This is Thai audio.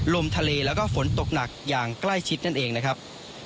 ลมทะเลแล้วก็ฝนตกหนักอย่างใกล้ชิดนั่นเองนะครับ